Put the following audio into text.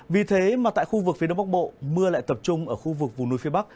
vì thế mà tại khu vực phía đông bắc bộ mưa lại tập trung ở khu vực vùng núi phía bắc